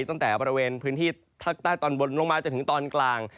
ตั้งแต่บริเวณพื้นที่ภาคใต้ตอนบนลงมาจนถึงตอนกลาง